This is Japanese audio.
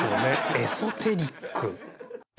エソテリック。